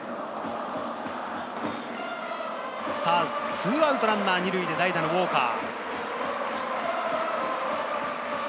２アウトランナー２塁で代打のウォーカー。